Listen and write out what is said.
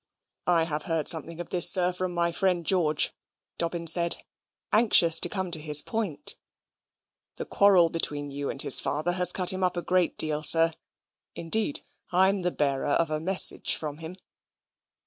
"I have heard something of this, sir, from my friend George," Dobbin said, anxious to come to his point. "The quarrel between you and his father has cut him up a great deal, sir. Indeed, I'm the bearer of a message from him."